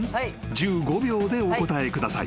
１５秒でお答えください］